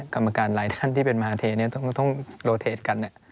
กรรมการหลายท่านที่เป็นมหาเทต้องโลเทสกัน